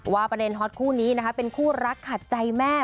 ประเด็นฮอตคู่นี้นะคะเป็นคู่รักขัดใจแม่